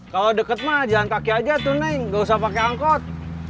kau deket mah jangan kaki aja tuh neng nggak usah pakai angkot